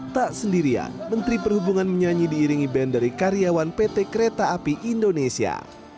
tak sendirian menteri perhubungan menyanyi diiringi band dari karyawan pt kereta api indonesia